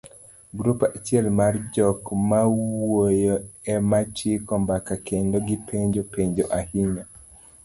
Grup achiel mar jokmawuoyo ema chiko mbaka kendo gipenjo penjo ahinya,